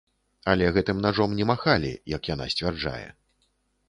Але гэтым нажом не махалі, як яна сцвярджае.